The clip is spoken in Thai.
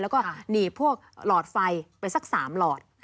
แล้วก็หนีบพวกหลอดไฟไปสัก๓หลอด